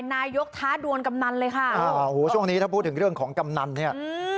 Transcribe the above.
นายกท้าดวนกำนันเลยค่ะอ่าโหช่วงนี้ถ้าพูดถึงเรื่องของกำนันเนี่ยอืม